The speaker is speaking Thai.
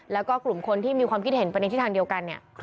แล้วก็กลุ่มคนที่มีความคิดเห็นประเด็นที่ทางเดียวกัน